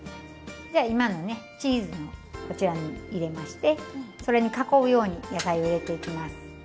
じゃ今のねチーズのこちらに入れましてそれに囲うように野菜を入れていきます。